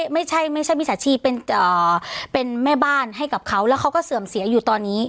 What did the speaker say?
ไม่ใช่ไม่ใช่มิจฉาชีพเป็นแม่บ้านให้กับเขาแล้วเขาก็เสื่อมเสียอยู่ตอนนี้